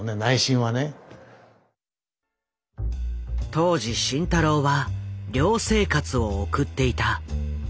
当時慎太郎は寮生活を送っていた。